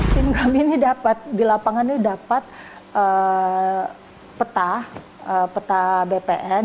tim kami ini dapat di lapangan ini dapat peta peta bpn